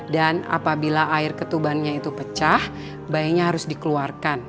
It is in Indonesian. dan apabila air ketubannya itu pecah bayinya harus dikeluarkan